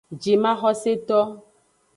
Jimaxoseto.